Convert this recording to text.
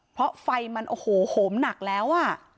เพราะไฟมันโหโหหนักแล้ว